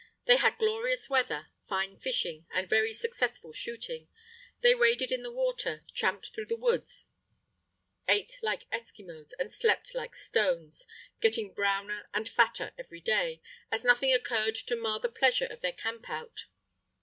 They had glorious weather, fine fishing, and very successful shooting. They waded in the water, tramped through the woods, ate like Eskimos, and slept like stones, getting browner and fatter every day, as nothing occurred to mar the pleasure of their camp out.